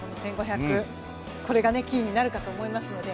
１５００、これがキーになるかと思いますので。